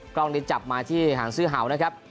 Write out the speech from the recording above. กล้องนี้จับมาที่หางซื้อเห่านะครับ